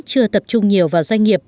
chưa tập trung nhiều vào doanh nghiệp